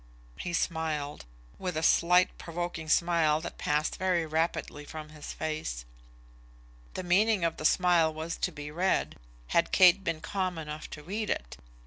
He smiled, with a slight provoking smile that passed very rapidly from his face. The meaning of the smile was to be read, had Kate been calm enough to read it.